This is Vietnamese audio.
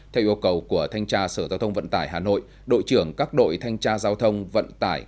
theo yêu cầu của thanh tra sở giao thông vận tải hà nội đội trưởng các đội thanh tra giao thông vận tải